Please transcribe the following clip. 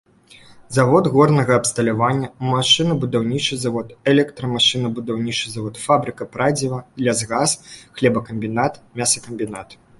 Завод горнага абсталявання, машынабудаўнічы завод, электрамашынабудаўнічы завод, фабрыка прадзіва, лясгас, хлебакамбінат, мясакамбінат.